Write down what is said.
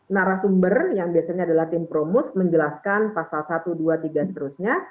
narasumber yang biasanya adalah tim promos menjelaskan pasal satu dua tiga seterusnya